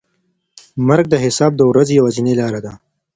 مرګ د حساب د ورځې یوازینۍ لاره ده.